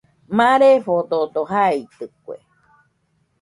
Marefododo jaitɨkue